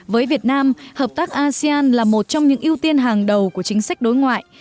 với việt nam hợp tác asean là một trong những ưu tiên hàng đầu của chính sách đối ngoại